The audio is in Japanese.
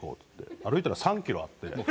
歩いたら３キロあって。